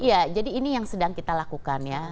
iya jadi ini yang sedang kita lakukan ya